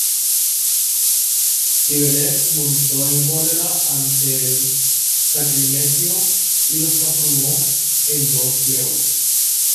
Cibeles montó en cólera ante el sacrilegio y los transformó en dos leones.